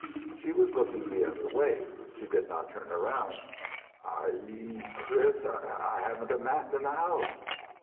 She was looking the other way. She did not turn around. "I Chris I I haven't a map in the house."